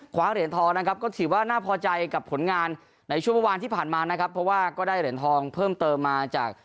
เหรียญทองนะครับก็ถือว่าน่าพอใจกับผลงานในช่วงเมื่อวานที่ผ่านมานะครับเพราะว่าก็ได้เหรียญทองเพิ่มเติมมาจาก